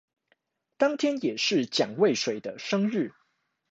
當天也是蔣渭水的生日